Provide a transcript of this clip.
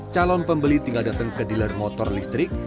calon pembeli tinggal datang ke dealer motor listrik